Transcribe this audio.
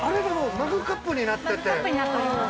◆マグカップになっております。